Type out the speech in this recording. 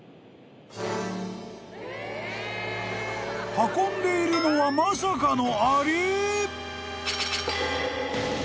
［運んでいるのはまさかの］